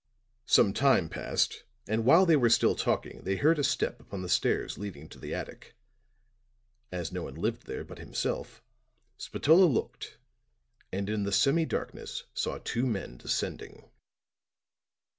"Some time passed, and while they were still talking they heard a step upon the stairs leading to the attic. As no one lived there but himself, Spatola looked and in the semi darkness saw two men descending.